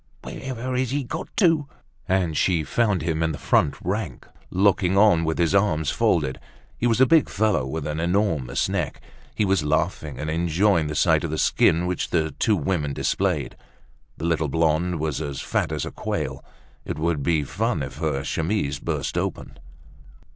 Wherever has he got to?" And she found him in the front rank, looking on with his arms folded. He was a big fellow, with an enormous neck. He was laughing and enjoying the sight of the skin which the two women displayed. The little blonde was as fat as a quail. It would be fun if her chemise burst open.